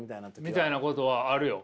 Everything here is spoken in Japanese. みたいなことはあるよ。